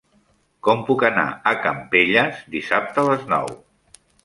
Com puc anar a Campelles dissabte a les nou?